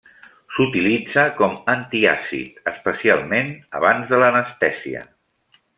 S'utilitza com antiàcid, especialment abans de l'anestèsia.